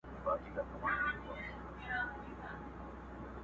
ستا د هستې شهباز به ونڅوم.!